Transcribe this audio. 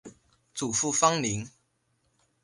祖父方宁。